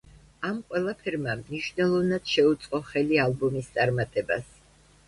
ამ ყველაფერმა მნიშვნელოვნად შეუწყო ხელი ალბომის წარმატებას.